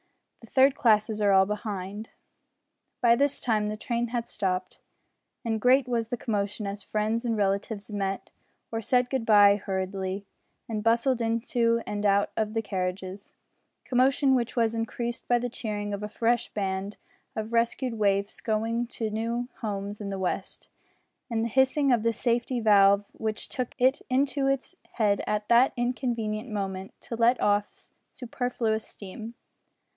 The third classes are all behind." By this time the train had stopped, and great was the commotion as friends and relatives met or said good bye hurriedly, and bustled into and out of the carriages commotion which was increased by the cheering of a fresh band of rescued waifs going to new homes in the west, and the hissing of the safety valve which took it into its head at that inconvenient moment to let off superfluous steam.